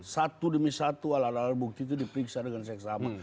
satu demi satu alat alat bukti itu diperiksa dengan seksama